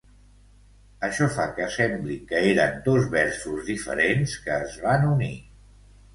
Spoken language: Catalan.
Això fa que sembli que eren dos versos diferents que es van unir.